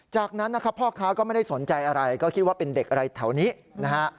จากนั้นนะครับพ่อค้าก็ไม่ได้สนใจอะไรก็คิดว่าเป็นเด็กอะไรแถวนี้นะฮะ